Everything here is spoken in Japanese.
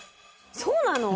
そうなの？